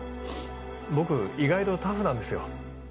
僕意外とタフなんですよ。